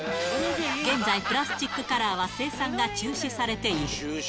現在、プラスチックカラーは生産が中止されている。